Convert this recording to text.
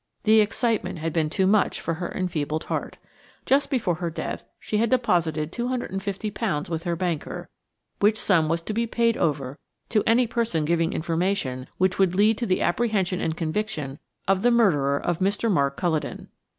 The excitement had been too much for her enfeebled heart. Just before her death she had deposited £250 with her banker, which sum was to be paid over to any person giving information which would lead to the apprehension and conviction of the murderer of Mr. Mark Culledon.